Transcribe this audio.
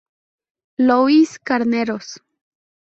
Louis Carneros.